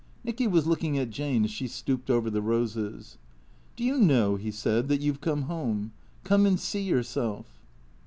Nicky was looking at Jane as she stooped over the roses. " Do you know," he said, " that you 've come home ? Come and see yourself."